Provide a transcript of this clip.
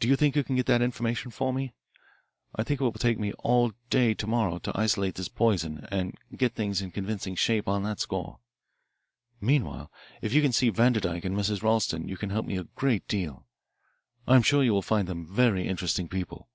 Do you think you can get that information for me? I think it will take me all day to morrow to isolate this poison and get things in convincing shape on that score. Meanwhile if you can see Vanderdyke and Mrs. Ralston you can help me a great deal. I am sure you will find them very interesting people."